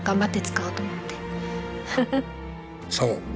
そう。